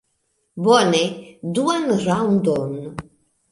Bone, duan raŭndon!